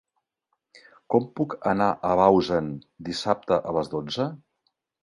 Com puc anar a Bausen dissabte a les dotze?